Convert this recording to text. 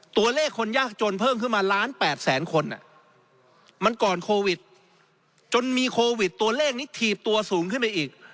ตัวเลขคนยากจนเพิ่มขึ้นมาล้าน๘แสนคนมันก่อนโควิดจนมีโควิดตัวเลขนี้ถีบตัวสูงขึ้นไปอีก